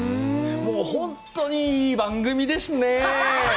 もう本当にいい番組ですねえ。